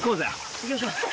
行きましょう。